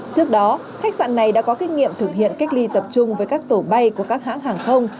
trước đó khách sạn này đã có kinh nghiệm thực hiện cách ly tập trung với các tổ bay của các hãng hàng không